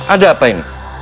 ada apa ini